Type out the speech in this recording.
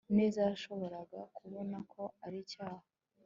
neza yashoboraga kubona ko ari icyaha